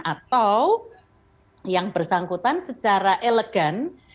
atau yang bersangkutan secara elegan